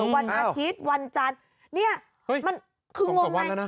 วันอาทิตย์วันจันทร์เนี่ยมันคืองงไง